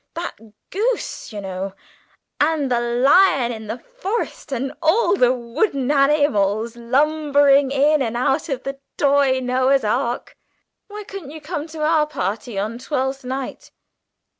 That goose, you know, and the lion in the forest, and all the wooden animals lumbering in out of the toy Noah's Ark!" "Why couldn't you come to our party on Twelfth night?"